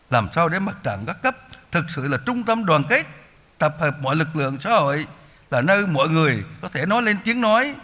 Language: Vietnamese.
làm sao để mặt trận các cấp thực sự là trung tâm đoàn kết tập hợp mọi lực lượng xã hội là nơi mọi người có thể nói lên tiếng nói